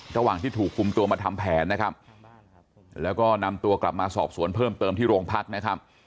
ระหว่างที่ถูกคุมตัวมาทำแผนนะครับแล้วก็นำตัวกลับมาสอบสวนเพิ่มเติมที่โรงพักนะครับ